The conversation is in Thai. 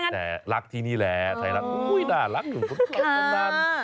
แต่รักที่นี่แหละแต่รักที่นี่แหละอุ๊ยรักอยู่ข้างเมือง